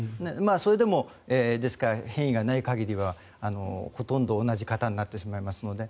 それでも、ですから変異がない限りはほとんど同じ型になってしまいますので。